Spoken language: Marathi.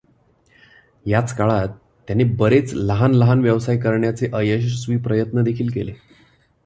याच काळात त्याने बरेच लहान लहान व्यवसाय करण्याचे अयशस्वी प्रयत्नदेखील केले.